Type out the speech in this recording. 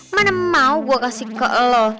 mana mau gue kasih ke allah